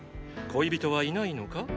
恋人はいないのか？